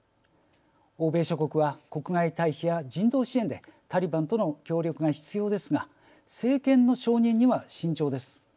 欧米諸国は国外退避や人道支援でタリバンとの協力が必要ですが政権の承認には慎重です。